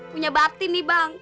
punya bakti nih bang